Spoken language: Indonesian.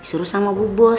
disuruh sama bubos